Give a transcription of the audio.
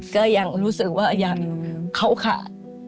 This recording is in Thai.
ก็ยังรู้สึกว่ายังเขาขาด